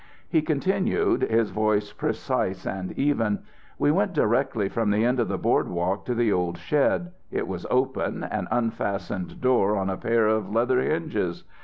He continued, his voice precise and even: "We went directly from the end of the Boardwalk to the old shed; it was open, an unfastened door on a pair of leather hinges.